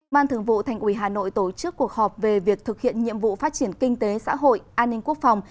ban thường vụ thành ủy hà nội tổ chức cuộc họp về việc thực hiện nhiệm vụ phát triển kinh tế xã hội an ninh quốc phòng